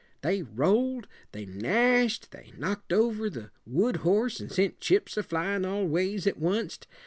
They rolled, they gnashed, they knocked over the wood horse and sent chips a flyin' all ways at onst.